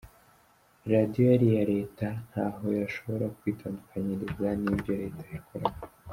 Radiyo yari iya Leta, ntaho yashobora kwitandukanyiriza n’ibyo Leta yakoraga.